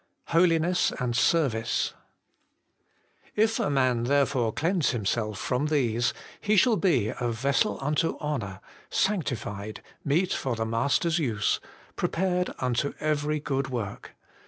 Holiness ann Serbtce, ' If a man therefore cleanse himself from these, he shall be a vessel unto honour, sanctified, meet for the Master's use, pre pared unto every good work?